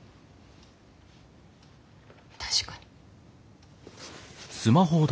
確かに。